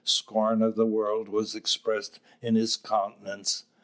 Scorn of the world was expressed in his countenance.